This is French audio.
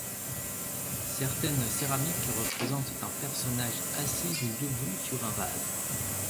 Certaines céramiques représentent un personnage assis ou debout sur un vase.